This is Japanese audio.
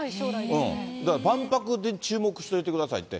だから万博で注目しといてくださいって。